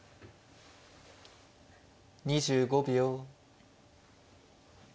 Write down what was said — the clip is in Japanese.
２５秒。